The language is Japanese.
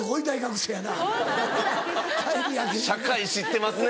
社会知ってますね。